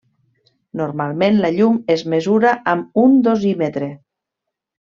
Normalment la llum es mesura amb un dosímetre.